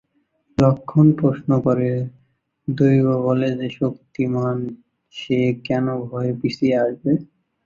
লক্ষণ প্রশ্ন করে, দৈব-বলে যে শক্তিমান সে কেন ভয়ে পিছিয়ে আসবে?